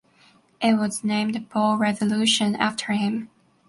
It was named Bole Resolution after him.